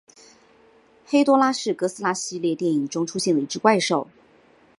黑多拉是哥斯拉系列电影中出现的一只怪兽。